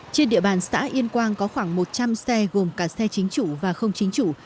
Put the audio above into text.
trên địa bàn xã yên quang có khoảng một trăm linh xe gồm cả xe chính chủ và không chính chủ